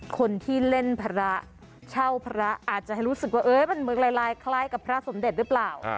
คนที่เล่นพระเช่าพระอาจจะรู้สึกว่ามันเมืองลายคล้ายกับพระสมเด็จหรือเปล่า